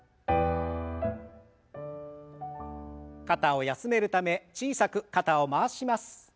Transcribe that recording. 肩を休めるため小さく肩を回します。